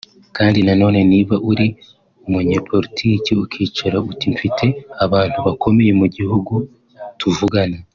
Kandi na none niba uri umunyepolitiki ukicara uti mfite abantu bakomeye mu gihugu tuvugana